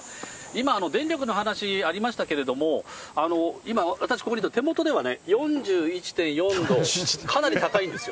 今電力の話ありましたけれども、今、私ここにある手元では４１．４度、かなり高いです。